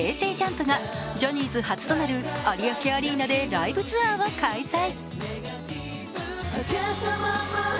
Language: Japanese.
ＪＵＭＰがジャニーズ初となる有明アリーナでライブツアーを開催。